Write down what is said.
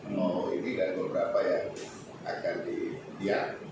mau ini dan beberapa yang akan di diak